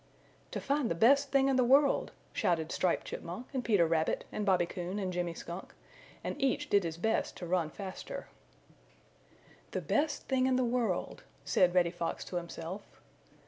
"To find the Best Thing in the World!" shouted Striped Chipmunk and Peter Rabbit and Bobby Coon and Jimmy Skunk, and each did his best to run faster. "The Best Thing in the World," said Reddy Fox to himself.